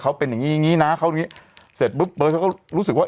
เขาเป็นอย่างงี้อย่างงี้นะเขาอย่างงี้เสร็จปุ๊บเบิร์ตเขาก็รู้สึกว่า